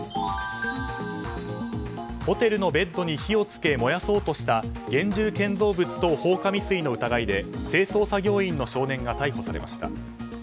ホテルのベッドに火を付け燃やそうとした現住建造物等放火未遂の疑いで清掃作業員の少年が逮捕されました。